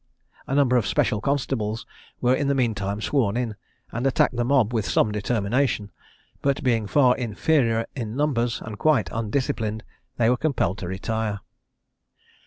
A number of special constables were in the mean time sworn in, and attacked the mob with some determination; but being far inferior in numbers, and quite undisciplined, they were compelled to retire.